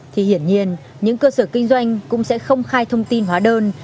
thì hiển nhiên những cơ sở kinh doanh cũng sẽ không khai thông tin hóa đơn